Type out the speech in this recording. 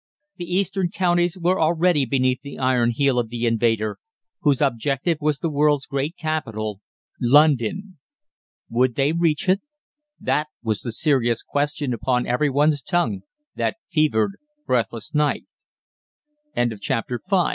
The eastern counties were already beneath the iron heel of the invader, whose objective was the world's great capital London. Would they reach it? That was the serious question upon every one's tongue that fevered, breathless night. CHAPTER VI.